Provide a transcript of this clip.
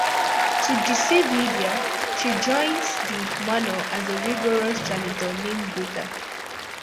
To deceive Lidia, she joins the manor as a "rigorous" janitor named Greta.